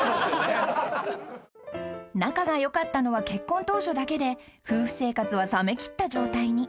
［仲が良かったのは結婚当初だけで夫婦生活は冷め切った状態に］